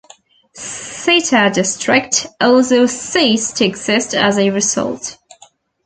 Seta District also ceased to exist as a result.